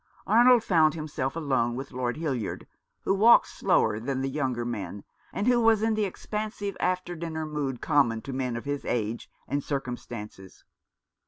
Arnold found himself alone with Lord Hildyard, who walked slower than the younger men, and who was in the expansive after dinner mood common to men of his age and circumstances.